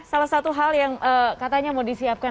salah satu hal yang katanya mau disiapkan